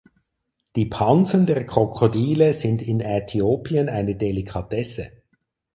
Die Pansen der Krokodile sind in Äthiopien eine Delikatesse.